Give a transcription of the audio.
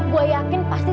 saya masih masih